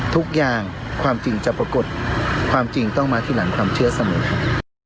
ทุกอย่างความจริงจะปรากฏความจริงต้องมาทีหลังความเชื่อเสมอครับ